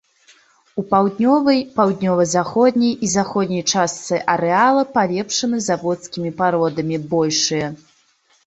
У паўднёвай, паўднёва-заходняй і заходняй частцы арэала палепшаны заводскімі пародамі, большыя.